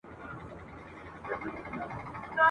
اوس له تسپو او استغفاره سره نه جوړیږي !.